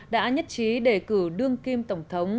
đã nhất trí đề cử đương kim tổng thống